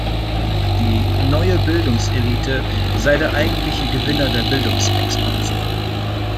Die „Neue Bildungselite“ sei der eigentliche Gewinner der Bildungsexpansion.